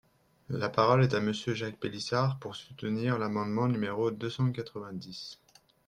La parole est à Monsieur Jacques Pélissard, pour soutenir l’amendement numéro deux cent quatre-vingt-dix.